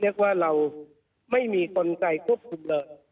เรียกว่าเราไม่มีกลไกควบคุมเลย